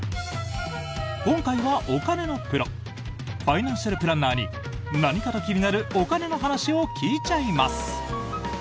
今回は、お金のプロファイナンシャルプランナーに何かと気になるお金の話を聞いちゃいます！